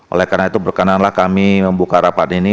oleh karena itu berkenanlah kami membuka rapat ini